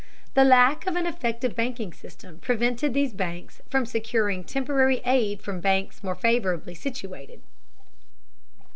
The lack of an effective banking system prevented these banks from securing temporary aid from banks more favorably situated.